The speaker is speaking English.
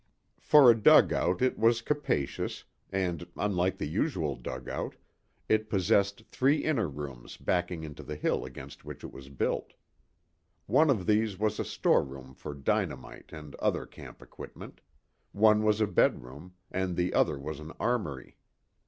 For a dugout it was capacious, and, unlike the usual dugout, it possessed three inner rooms backing into the hill against which it was built. One of these was a storeroom for dynamite and other camp equipment, one was a bedroom, and the other was an armory.